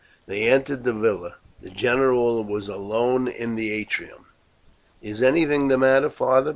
They entered the villa. The general was alone in the atrium. "Is anything the matter, father?"